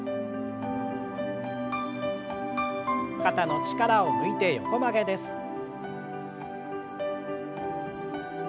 肩の力を抜いて横曲げです。